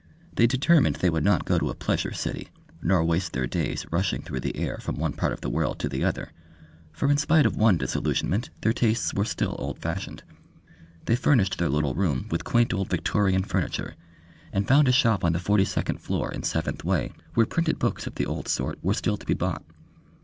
They determined they would not go to a Pleasure city nor waste their days rushing through the air from one part of the world to the other, for in spite of one disillusionment, their tastes were still old fashioned. They furnished their little room with quaint old Victorian furniture, and found a shop on the forty second floor in Seventh Way where printed books of the old sort were still to be bought.